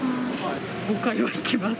５回は行きます。